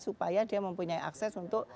supaya dia mempunyai akses untuk